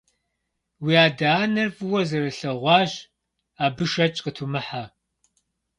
Уи адэ-анэр фӀыуэ зэрылъэгъуащ, абы шэч къытумыхьэ.